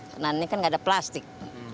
karena kan ini gak ada plastik